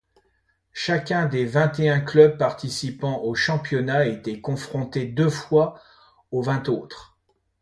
Chacun des vingt-et-un clubs participant au championnat était confronté deux fois aux vingt autres.